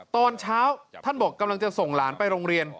ตอนเช้าท่านบอกกำลังจะส่งหลานไปโรงเรียน